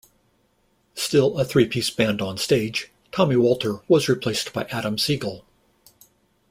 Still a three-piece band on stage, Tommy Walter was replaced by Adam Siegel.